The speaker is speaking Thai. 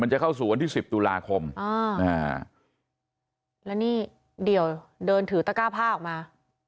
จะเข้าสู่วันที่สิบตุลาคมแล้วนี่เดี่ยวเดินถือตะก้าผ้าออกมา